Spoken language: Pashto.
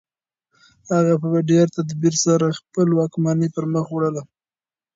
هغه په ډېر تدبیر سره خپله واکمني پرمخ وړله.